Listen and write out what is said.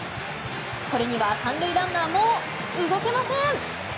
これには３塁ランナーも動けません。